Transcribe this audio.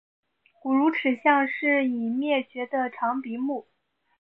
古乳齿象是已灭绝的长鼻目。